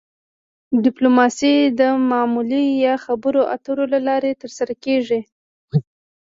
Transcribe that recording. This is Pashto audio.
ډیپلوماسي د معاملې یا خبرو اترو له لارې ترسره کیږي